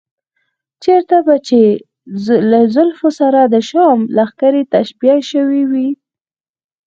چېرته به چې له زلفو سره د شام لښکرې تشبیه شوې.